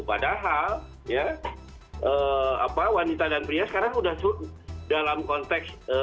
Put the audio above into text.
padahal ya wanita dan pria sekarang sudah dalam konteks